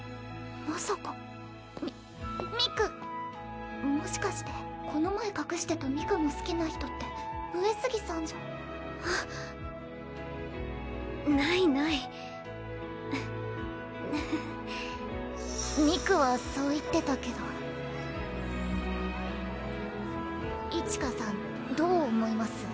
まさかみ三玖もしかしてこの前隠してた三玖の好きな人って上杉さんじゃあないない三玖はそう言ってたけど一花さんどう思います？